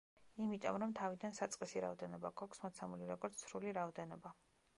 იმიტომ, რომ თავიდან საწყისი რაოდენობა გვაქვს მოცემული, როგორც სრული რაოდენობა.